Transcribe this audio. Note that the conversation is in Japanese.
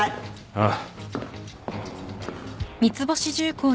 ああ。